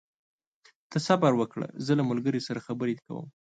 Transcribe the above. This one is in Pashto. ته صبر وکړه، زه له ملګري سره خبرې کوم.